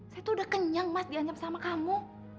saya tuh udah kenyang mas dianyap sama kamu